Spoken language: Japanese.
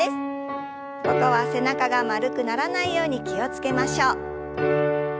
ここは背中が丸くならないように気を付けましょう。